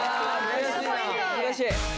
悔しいな。